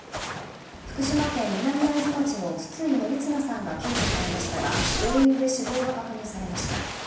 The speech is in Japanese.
福島県南会津町の筒井典綱さんが救助されましたが病院で死亡が確認されました。